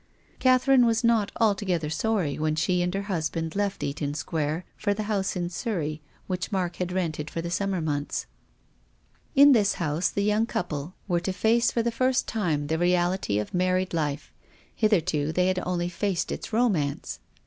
Catherine was not allf)<r(.tli( r sorry when .she and her husband left Katon Square for the house in Surrey which Mark had rented for the summer months. In this house the young couple were lu face for 'l34 TONGUES OF CONSCIENCE. the first time the reality of married life. Hitherto they had only faced its romance.